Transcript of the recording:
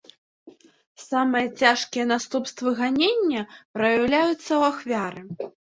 Самыя цяжкія наступствы ганення праяўляюцца ў ахвяры.